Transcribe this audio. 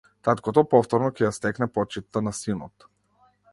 Таткото повторно ќе ја стекне почитта на синот.